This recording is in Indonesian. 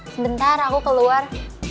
sebentar aku keluar